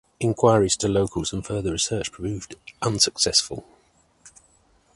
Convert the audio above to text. Inquires to Locals and further research proved unsuccessful.